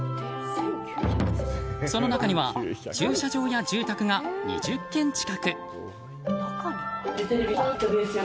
その中には駐車場や住宅が２０軒近く。